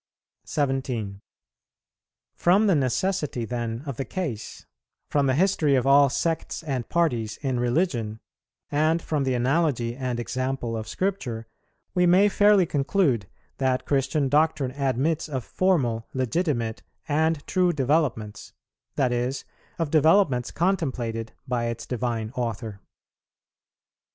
17. From the necessity, then, of the case, from the history of all sects and parties in religion, and from the analogy and example of Scripture, we may fairly conclude that Christian doctrine admits of formal, legitimate, and true developments, that is, of developments contemplated by its Divine Author.